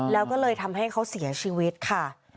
แล้วก็เลยทำให้เขาเสียชีวิตค่ะ